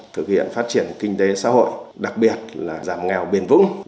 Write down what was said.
thực hiện phát triển kinh tế xã hội đặc biệt là giảm nghèo bền vững